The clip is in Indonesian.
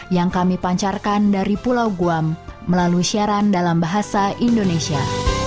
yang kami pancarkan dari pulau guam melalui siaran dalam bahasa indonesia